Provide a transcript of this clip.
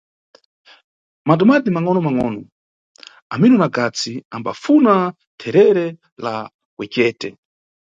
Matumati mangʼono mangʼono, Amiro na Gatsi ambafuna therere la kwecete.